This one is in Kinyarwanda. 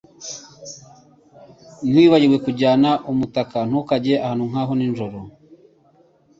Ntiwibagirwe kujyana umutaka. Ntukajye ahantu nk'aha nijoro.